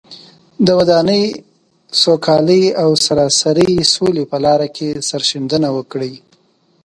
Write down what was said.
د ودانۍ، سوکالۍ او سراسري سولې په لاره کې سرښندنه وکړي.